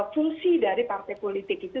fungsi dari partai politik itu